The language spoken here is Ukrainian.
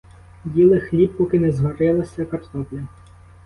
Їли хліб, поки не зварилася картопля.